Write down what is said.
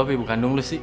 tapi ibu kandung lu sih